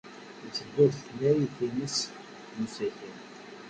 Yetteddu ɣer tnarit-nnes s usakal.